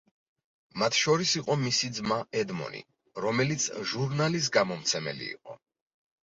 მათ შორის იყო მისი ძმა ედმონი, რომელიც ჟურნალის გამომცემელი იყო.